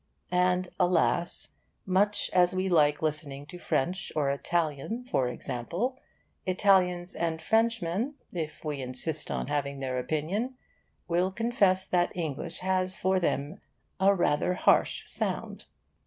And alas, much as we like listening to French or Italian, for example, Italians and Frenchmen (if we insist on having their opinion) will confess that English has for them a rather harsh sound.